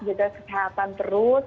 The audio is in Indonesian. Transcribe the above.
jaga kesehatan terus